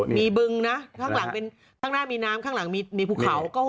หมีบึงท่างหน้ามีน้ำครั้งหลังมีผูกเขาก็